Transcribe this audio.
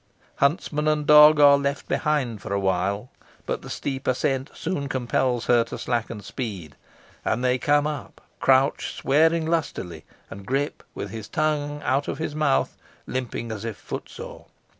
Huntsman and dog are left behind for awhile, but the steep ascent soon compels her to slacken speed, and they come up, Crouch swearing lustily, and Grip, with his tongue out of his mouth, limping as if foot sore.